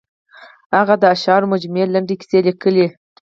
هغه د اشعارو مجموعې، لنډې کیسې لیکلي.